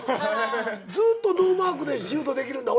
ずっとノーマークでシュートできるんだ俺やったら。